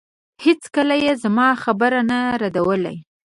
هېڅکله يې زما خبرې نه ردولې.